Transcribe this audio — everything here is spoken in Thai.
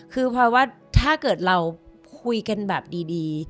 คือพลอยว่าถ้าเกิดเราคุยกันแบบดี